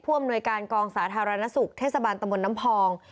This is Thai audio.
อำนวยการกองสาธารณสุขเทศบาลตำบลน้ำพอง